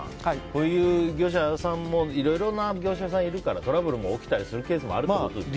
こういう業者さんもいろいろな業者さんがいるからトラブルも起きたりするケースもあるということですね。